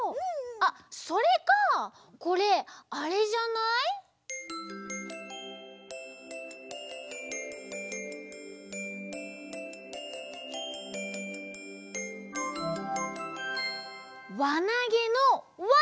あっそれかこれあれじゃない？わなげのわ！